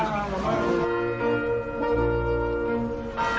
อันนี้ต้องมา